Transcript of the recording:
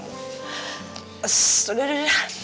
sudah sudah sudah